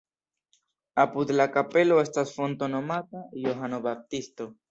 Apud la kapelo estas fonto nomata Johano Baptisto.